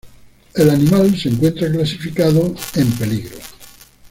El animal se encuentra clasificado "en Peligro".